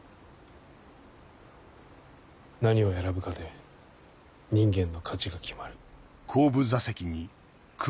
何を選ぶかで人間の価値が決まる。